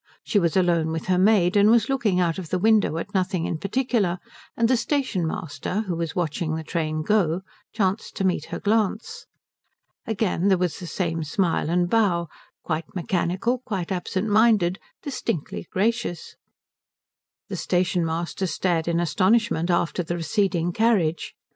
She was alone with her maid, and was looking out of the window at nothing in particular, and the station master, who was watching the train go, chanced to meet her glance. Again there was the same smile and bow, quite mechanical, quite absent minded, distinctly gracious. The station master stared in astonishment after the receding carriage.